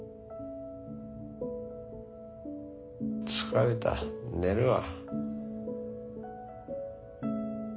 疲れた寝るわ。